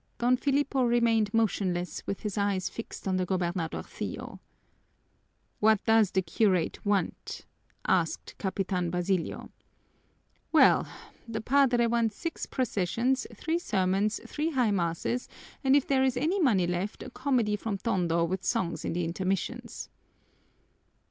Don Filipo remained motionless with his eyes fixed on the gobernadorcillo. "What does the curate want?" asked Capitan Basilio. "Well, the padre wants six processions, three sermons, three high masses, and if there is any money left, a comedy from Tondo with songs in the intermissions."